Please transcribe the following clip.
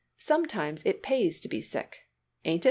"Sometimes it pays to be sick. Ain't it?"